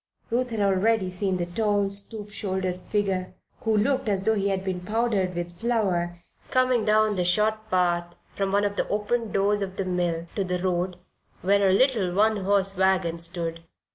Ruth had already seen the tall, stoop shouldered figure, who looked as though he had been powdered with flour, coming down the short path from one of the open doors of the mill to the road, where a little, one horse wagon stood.